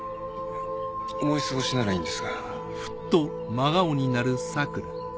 思い過ごしならいいんですが。